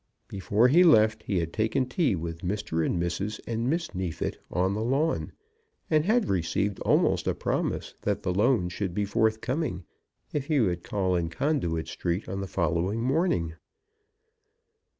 Before he left he had taken tea with Mr. and Mrs. and Miss Neefit on the lawn, and had received almost a promise that the loan should be forthcoming if he would call in Conduit Street on the following morning.